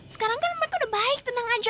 sekarang kan mereka udah baik tenang aja